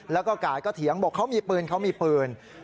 แล้วก็กาดก็เถียงบอกเขามีปืนเขามีปืน